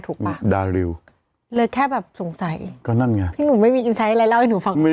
ทำไมอยู่เกิดอะไรทำปากมา